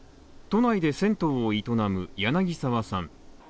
都内で銭湯を営む柳澤さん。